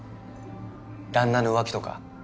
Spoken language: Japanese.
旦那の浮気とか？